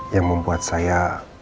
yang membuat saya